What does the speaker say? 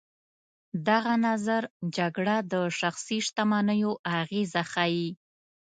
دغه نظر جګړه د شخصي شتمنیو اغېزه ښيي.